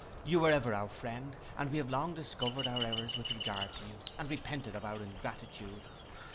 You were ever our friend: we have long discovered our errors with regard to you, and repented of our ingratitude.